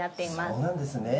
そうなんですね。